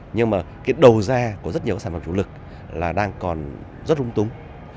nhưng mà cái đầu ra của rất nhiều sản phẩm chủ lực là đang còn rất rung túng